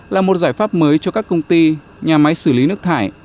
là một giải pháp mới cho các công ty nhà máy xử lý nước thải